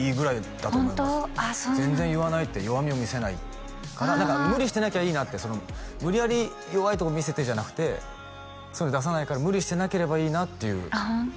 全然言わないって弱みを見せないから何か無理してなきゃいいなって無理やり弱いとこ見せてじゃなくてそういうの出さないから無理してなければいいなっていうあっ